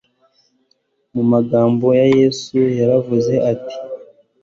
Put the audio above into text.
mu magambo ya yesu yaravuze ati